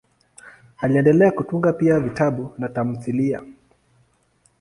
Aliendelea kutunga pia vitabu na tamthiliya.